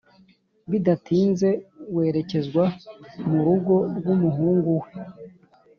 bidatinze werekezwa murugo rw’umuhungu we